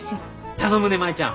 頼むね舞ちゃん。